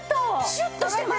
シュッとしてますよ！